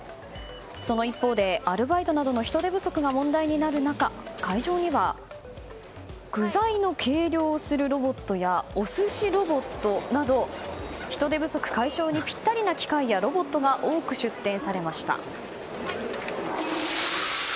その一方でアルバイトなどの人手不足が問題になる中会場には具材の計量をするロボットやお寿司ロボットなど人手不足解消にピッタリな機械やロボットが多く出展されました。